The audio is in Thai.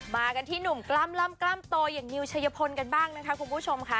มากันที่หนุ่มกล้ามกล้ามโตอย่างนิวชัยพลกันบ้างนะคะคุณผู้ชมค่ะ